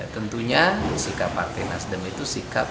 tentunya sikap partai nasdem itu sikap